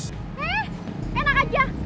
eh enak aja